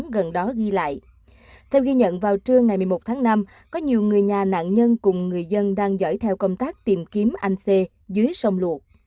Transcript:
theo ghi nhận vào trưa ngày một mươi một tháng năm có nhiều người nhà nạn nhân cùng người dân đang giỏi theo công tác tìm kiếm anh xê dưới sông luộc